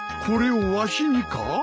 これをわしにか？